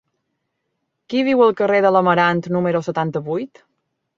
Qui viu al carrer de l'Amarant número setanta-vuit?